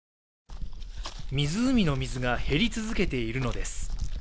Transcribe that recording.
湖の水が減り続けているのです